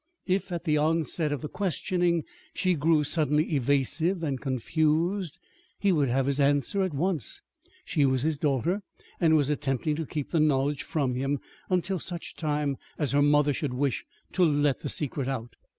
If at the onset of the questioning she grew suddenly evasive and confused, he would have his answer at once: she was his daughter, and was attempting to keep the knowledge from him until such time as her mother should wish to let the secret out.